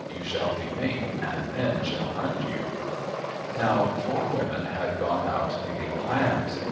You shall be mink and men shall hunt you." Now four women had gone out digging clams.